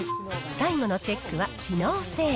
最後のチェックは機能性。